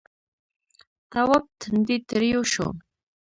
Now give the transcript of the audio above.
تواب تندی تريو شو.